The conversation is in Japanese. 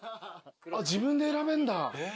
自分で選べるんだ。